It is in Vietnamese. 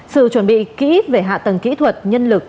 sự chuẩn bị kỹ về hạ tầng kỹ thuật nhân lực